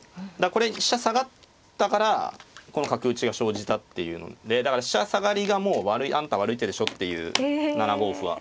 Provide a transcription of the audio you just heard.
これ飛車下がったからこの角打ちが生じたっていうのでだから飛車下がりがあんた悪い手でしょっていう７五歩は。